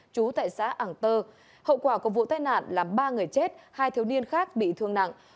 chú tại xã ẳng tơ hậu quả của vụ tai nạn là ba người chết hai thiếu niên khác bị thương nặng